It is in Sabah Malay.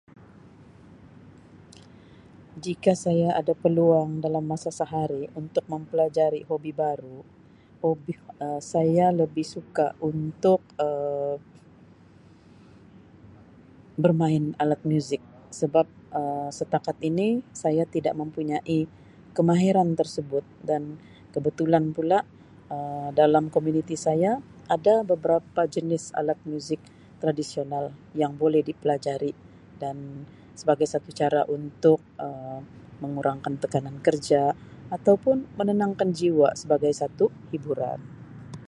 Jika saya ada peluang dalam masa sehari untuk berpeluang mempelajari hobi baru hobi saya lebih suka untuk Um bermain alat muzik sebab Um setakat ini saya tidak mempunyai kemahiran tersebut dan kebetulan pula Um dalam komuniti saya ada beberapa jenis alat muzik tradisional yang dipelajari dan sebagai satu cara untuk Um mengurangkan tekanan kerja ataupun menenangkan jiwa sebagai satu hiburan.